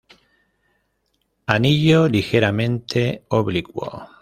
Anillo ligeramente oblicuo.